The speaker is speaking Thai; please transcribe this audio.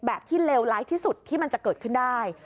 แบบที่เลวร้ายที่สุดที่มันจะเกิดขึ้นได้